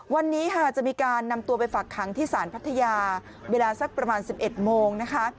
วันนี้ค่ะจะมีการนำตัวไปฝักขังที่ศาลพัทยาเวลาสักประมาณ๑๑โมงนะคะ